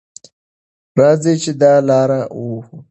راځئ چې دا لاره ووهو.